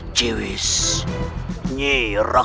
kau yang berdiri